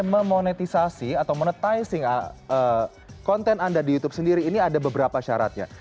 memonetisasi atau monetizing konten anda di youtube sendiri ini ada beberapa syaratnya